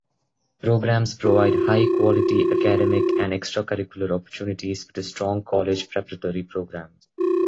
Programs provide high-quality academic and extracurricular opportunities with a strong college preparatory program.